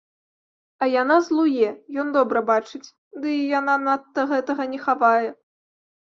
А яна злуе, ён добра бачыць, ды і яна надта гэтага не хавае.